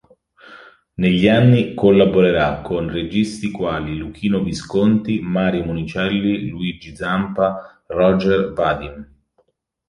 Negli anni collaborerà con registi quali Luchino Visconti, Mario Monicelli, Luigi Zampa, Roger Vadim.